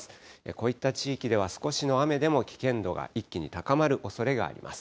こういった地域では、少しの雨でも危険度が一気に高まるおそれがあります。